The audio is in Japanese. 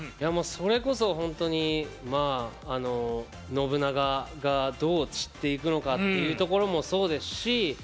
それこそほんとに信長がどう散っていくのかっていうところもそうですし